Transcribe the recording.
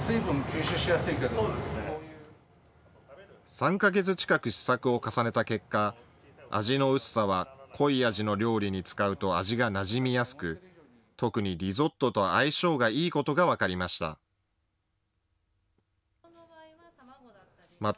３か月近く試作を重ねた結果、味の薄さは濃い味の料理に使うと味がなじみやすく特にリゾットと相性がいいことが分かりました。